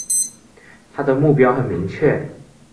他的目标很明确